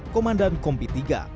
komandan kompi iii